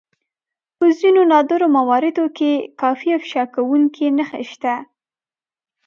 په ځينو نادرو مواردو کې کافي افشا کوونکې نښې شته.